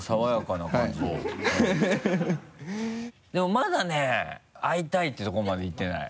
でもまだね会いたいっていうところまでいってない。